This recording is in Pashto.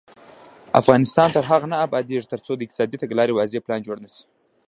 افغانستان تر هغو نه ابادیږي، ترڅو د اقتصادي تګلارې واضح پلان جوړ نشي.